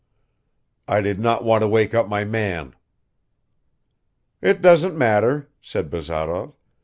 "I did not want to wake up my man." "It doesn't matter," said Bazarov.